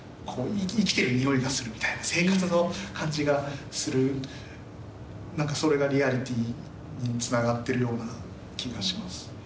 生きてる匂いがするみたいな、生活の感じがする、なんかそれがリアリティーにつながっているような気がします。